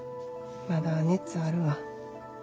まだ熱あるわ。